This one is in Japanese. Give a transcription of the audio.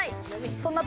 そんな時